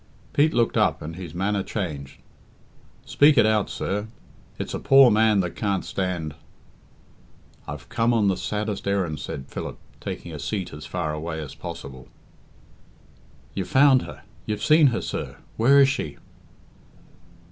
Pete looked up and his manner changed. "Speak it out, sir. It's a poor man that can't stand " "I've come on the saddest errand," said Philip, taking a seat as far away as possible. "You've found her you've seen her, sir. Where is she?"